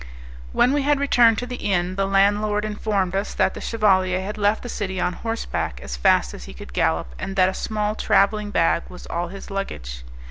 When we returned to the inn, the landlord informed us that the chevalier had left the city on horseback, as fast as he could gallop, and that a small traveling bag was all his luggage.